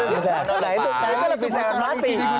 itu lebih saya hormati